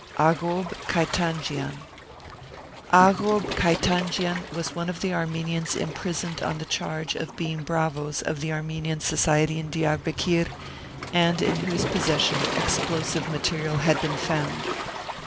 AGHOB KAITANJIAN. Aghob Kaitanjian was one of the Armenians imprisoned on the charge of being bravoes of the Armenian Society in Diarbekir, and in whose possession explosive material had been found.